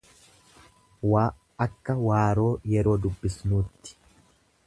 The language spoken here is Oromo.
w akka waaroo yeroo dubbisnuutti.